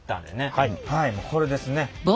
はいもうこれですね。